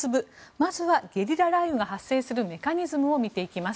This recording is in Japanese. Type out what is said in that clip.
まずはゲリラ雷雨が発生するメカニズムを見ていきます。